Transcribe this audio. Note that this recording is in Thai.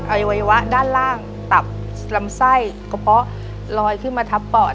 วัยวะด้านล่างตับลำไส้กระเพาะลอยขึ้นมาทับปอด